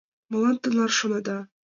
Молан тынар, шонеда?